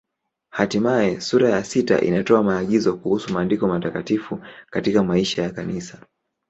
Hatimaye sura ya sita inatoa maagizo kuhusu Maandiko Matakatifu katika maisha ya Kanisa.